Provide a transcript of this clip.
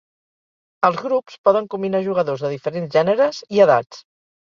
Els grups poden combinar jugadors de diferents gèneres i edats.